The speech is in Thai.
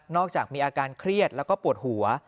จากมีอาการเครียดแล้วก็ปวดหัว